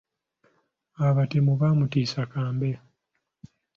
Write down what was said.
Abatemu baamuttisa kambe.